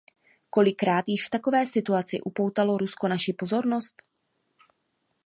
Kolikrát již v takovéto situaci upoutalo Rusko naši pozornost?